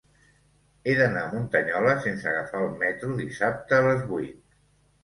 He d'anar a Muntanyola sense agafar el metro dissabte a les vuit.